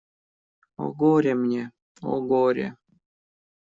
О, горе мне… о, горе!